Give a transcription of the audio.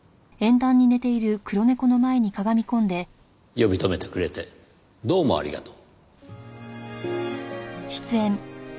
呼び止めてくれてどうもありがとう。